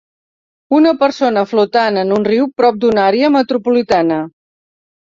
Una persona flotant en un riu prop d'una àrea metropolitana